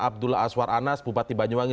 abdullah aswar anas bupati banyuwangi